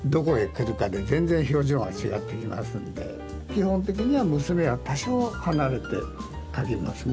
基本的には娘は多少離れて描きますね。